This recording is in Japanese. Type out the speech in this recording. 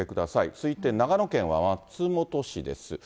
続いて長野県は松本市です。